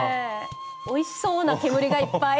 おいしそうな煙がいっぱい。